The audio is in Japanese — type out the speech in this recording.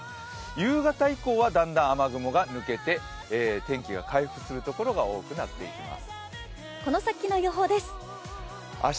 夕方以降はだんだん雨雲が抜けて天気が回復していくところが多くなりそうです。